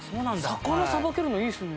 魚さばけるのいいですね。